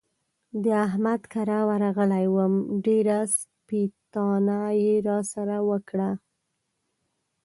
د احمد کره ورغلی وم؛ ډېره سپېتانه يې را سره وکړه.